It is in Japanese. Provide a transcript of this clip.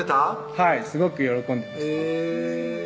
はいすごく喜んでましたね